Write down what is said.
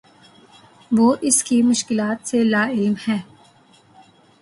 وہ اس کی مشکلات سے لاعلم ہے